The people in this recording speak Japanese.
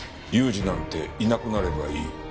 「雄二なんていなくなればいい」